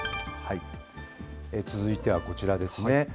続いてはこちらですね。